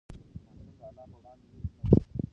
ماشوم د انا په وړاندې هېڅ نه ویل.